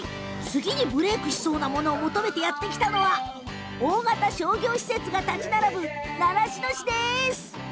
次にブレークしそうなものを求めて、やって来たのは大型商業施設が建ち並ぶ習志野市です。